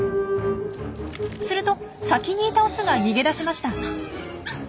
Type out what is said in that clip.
すると先にいたオスが逃げ出しました。